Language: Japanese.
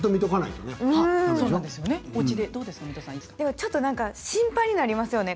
ちょっと心配になりますよね。